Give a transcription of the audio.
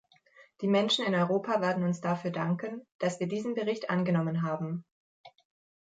Die Menschen in Europa werden uns dafür danken, dass wir diesen Bericht angenommen haben.